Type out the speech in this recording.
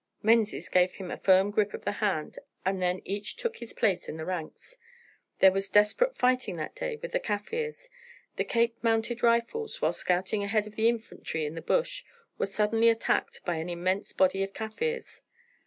Menzies gave him a firm grip of the hand, and then each took his place in the ranks. There was desperate fighting that day with the Kaffirs. The Cape Mounted Rifles, while scouting ahead of the infantry in the bush, were suddenly attacked by an immense body of Kaffirs.